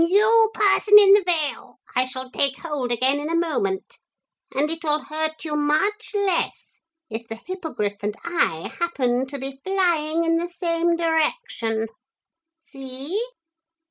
'You person in the veil, I shall take hold again in a moment. And it will hurt you much less if the Hippogriff and I happen to be flying in the same direction. See?